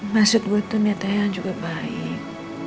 maksud gue tuh nyatanya yang juga baik